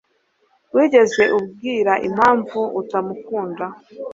Wigeze ubwira impamvu utamukunda?